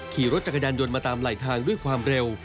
ขี่รถจักรยานยนต์มาตามไหลทางด้วยความเร็ว